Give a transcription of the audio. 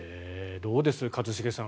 どうです、一茂さん